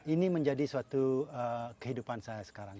ini menjadi suatu kehidupan saya sekarang